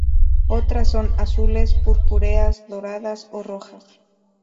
Otras son azules, purpúreas, doradas o rojas.